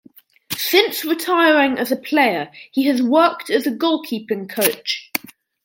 Since retiring as a player he has worked as a goalkeeping coach.